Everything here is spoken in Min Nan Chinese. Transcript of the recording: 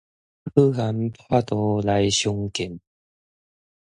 好漢破腹來相見